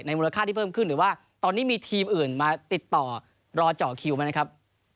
มูลค่าที่เพิ่มขึ้นหรือว่าตอนนี้มีทีมอื่นมาติดต่อรอเจาะคิวไหมนะครับ